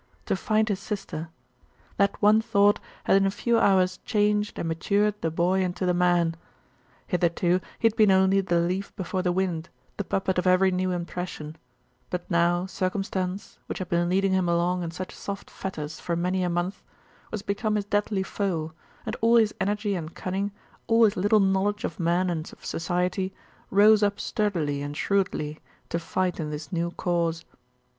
To find his sister! That one thought had in a few hours changed and matured the boy into the man. Hitherto he had been only the leaf before the wind, the puppet of every new impression; but now circumstance, which had been leading him along in such soft fetters for many a month, was become his deadly foe; and all his energy and cunning, all his little knowledge of man and of society, rose up sturdily and shrewdly to fight in this new cause.